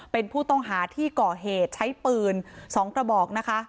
เป็นผู้ต้องหาที่ก่อเหตุใช้ปืน๒กระบอกนะคะ